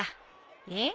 えっ？